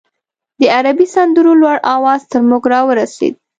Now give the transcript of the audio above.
د عربي سندرو لوړ اواز تر موږ راورسېد.